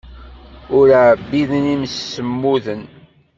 Ur ɛbiden imsemmuden.